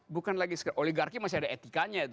bukan lagi oligarki masih ada etikanya itu